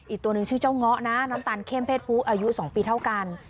อีกตัวหนึ่งชื่อเจ้าเงาะนะน้ำตาลเข้มเพศผู้อายุ๒ปีเท่ากัน